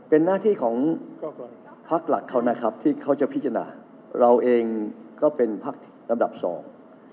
เป็นหน้าที่ของพักหลักเขานะครับที่เขาจะพิจารณาเราเองก็เป็นพักลำดับสอง